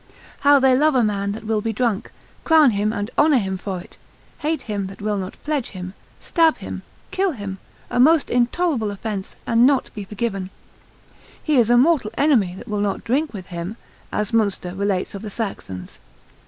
How they love a man that will be drunk, crown him and honour him for it, hate him that will not pledge him, stab him, kill him: a most intolerable offence, and not to be forgiven. He is a mortal enemy that will not drink with him, as Munster relates of the Saxons.